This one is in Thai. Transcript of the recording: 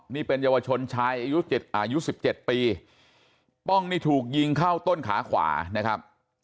นี่เป็นเยาวชนชายอายุเจ็ดอายุสิบเจ็ดปีป้องนี่ถูกยิงเข้าต้นขาขวานะครับ